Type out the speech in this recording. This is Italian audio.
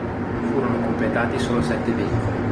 Furono completati solo sette veicoli.